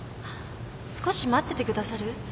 少し待っててくださる？